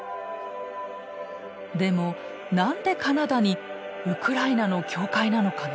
でも何でカナダにウクライナの教会なのかな？